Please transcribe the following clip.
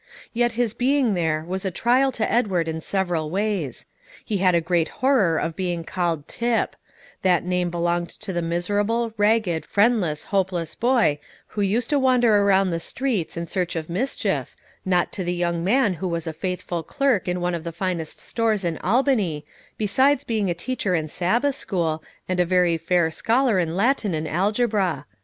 Yet his being there was a trial to Edward in several ways: he had a great horror of being called "Tip;" that name belonged to the miserable, ragged, friendless, hopeless boy who used to wander around the streets in search of mischief, not to the young man who was a faithful clerk in one of the finest stores in Albany, besides being a teacher in Sabbath school, and a very fair scholar in Latin and algebra.